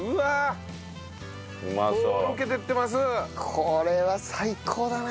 これは最高だな。